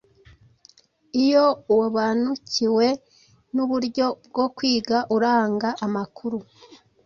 Iyo uobanukiwe nuburyo bwo kwiga uranga, amakuru